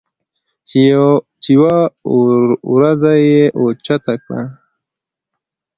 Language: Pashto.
چې يوه وروځه یې اوچته کړه